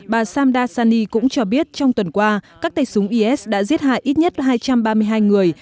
bà samda sani cũng cho biết trong tuần qua các tay súng is đã giết hại ít nhất hai trăm ba mươi hai người